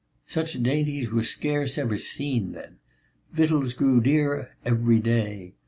Such dainties were scarce ever seen then; victuals grew dearer every day.